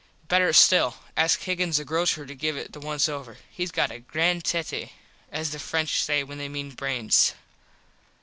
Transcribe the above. Better still. Ask Higgins the grocer to give it the once over. Hes got a grand tete as the French say when they mean brains.